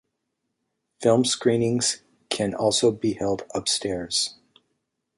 Film screenings can also be held upstairs.